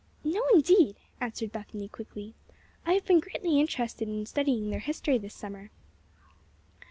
"No, indeed!" answered Bethany, quickly. "I have been greatly interested in studying their history this summer."